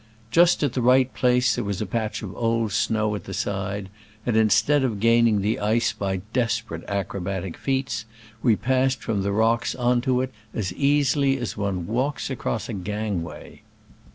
Just at the right place there was a patch of old snow at the side, and, instead'of gaining the ice by desperate acrobatic feats, we passed from the rocks on to it as easily as one walks across a gangway.